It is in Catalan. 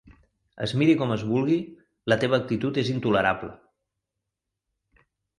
Es miri com es vulgui, la teva actitud és intolerable.